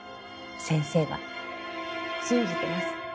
先生は信じてます。